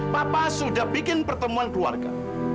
papa sudah bikin pertemuan keluarga